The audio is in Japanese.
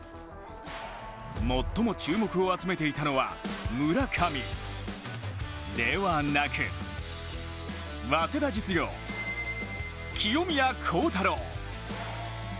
最も注目を集めていたのは村上ではなく、早稲田実業清宮幸太郎。